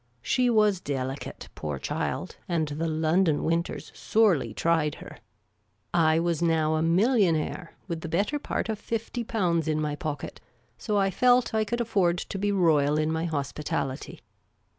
She was delicate, poor child, and the London winters sorely tried her ; I was now a millionaire, with the better part of fifty pounds in my pocket, so I felt I could afford to be royal in my hospitality.